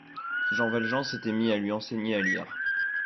Jean Valjean s’était mis à lui enseigner à lire.